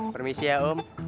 permisi ya om